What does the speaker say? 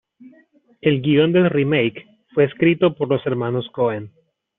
El guion del remake fue escrito por los hermanos Coen.